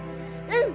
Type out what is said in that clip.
うん。